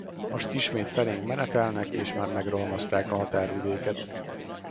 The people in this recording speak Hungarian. Most ismét felénk menetelnek és már megrohamozták a határvidéket.